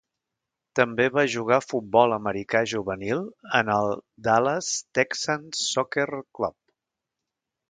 També va jugar futbol americà juvenil en el Dallas Texans Soccer Club.